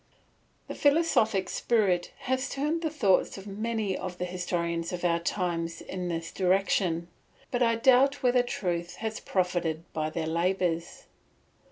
The philosophic spirit has turned the thoughts of many of the historians of our times in this direction; but I doubt whether truth has profited by their labours.